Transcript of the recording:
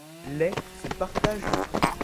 Les se partagent de prix.